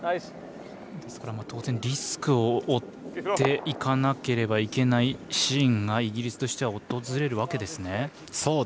当然、リスクを負っていかなければいけないシーンがイギリスとしては訪れるわけですね。